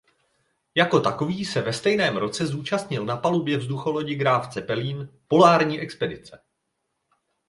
Jako takový se ve stejném roce zúčastnil na palubě vzducholodi "Graf Zeppelin" polární expedice.